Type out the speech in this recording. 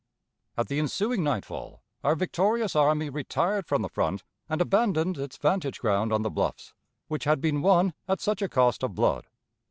At the ensuing nightfall our victorious army retired from the front and abandoned its vantage ground on the bluffs, which had been won at such a cost of blood.